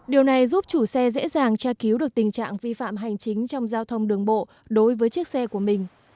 điều này giúp chủ xe dễ dàng tra cứu được tình trạng vi phạm hành chính trong giao thông đường bộ đối với chiếc xe của mình